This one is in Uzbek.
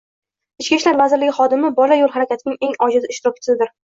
Ichki ishlar vazirligi xodimi: Bola yo‘l harakatining eng ojiz ishtirokchisidir.